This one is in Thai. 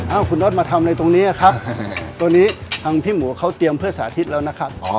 เอาคุณน็อตมาทำอะไรตรงนี้ครับตัวนี้ทางพี่หมูเขาเตรียมเพื่อสาธิตแล้วนะครับ